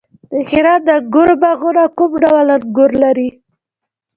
د هرات د انګورو باغونه کوم ډول انګور لري؟